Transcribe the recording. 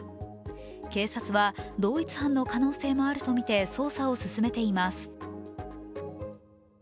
警察は同一犯の可能性もあるとみて捜査を進めています。